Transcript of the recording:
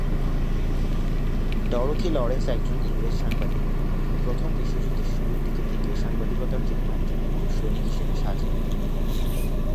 Dorothy Lawrence, একজন ইংরেজ সাংবাদিক, প্রথম বিশ্বযুদ্ধের শুরুর দিকে থেকে সাংবাদিকতার জন্য একজন পুরুষ সৈনিক হিসাবে সাজ নেন।